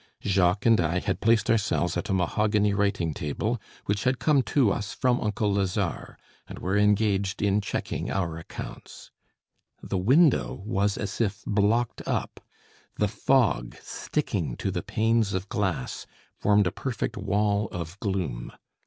Jacques and I had placed ourselves at a mahogany writing table, which had come to us from uncle Lazare, and were engaged in checking our accounts. The window was as if blocked up; the fog, sticking to the panes of glass, formed a perfect wall of gloom.